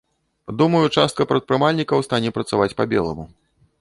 Думаю, частка прадпрымальнікаў стане працаваць па-беламу.